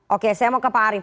oke saya mau ke pak arief